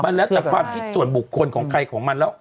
แล้วแต่ความคิดส่วนบุคคลของใครของมันแล้ว